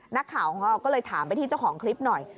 นักข่าวของเราก็เลยถามไปที่เจ้าของคลิปหน่อย